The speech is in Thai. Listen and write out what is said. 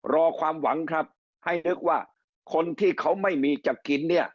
รอความหวังครับให้นึกว่าคนที่เขาไม่มีจะกินเนี่ย